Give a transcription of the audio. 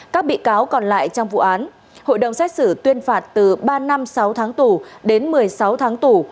các bị cáo còn lại trong vụ án hội đồng xét xử tuyên phạt từ ba năm sáu tháng tù đến một mươi sáu tháng tù